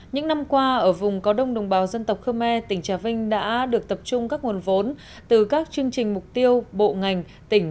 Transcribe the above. những năm qua ở vùng có đông đồng bào dân tộc khơ me tỉnh trà vinh đã được tập trung các nguồn vốn